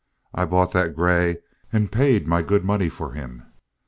I bought that gray and paid my good money for him.